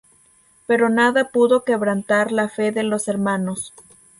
Pero nada pudo quebrantar la fe de los hermanos.